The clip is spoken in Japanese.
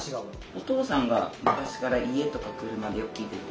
お父さんが昔から家とか車でよく聴いてて。